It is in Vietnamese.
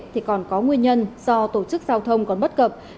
thì còn có nguyên nhân do tổ chức giao thông còn bất cập